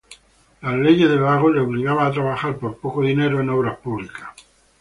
Las leyes de vagos les obligaban a trabajar por poco dinero en obras públicas.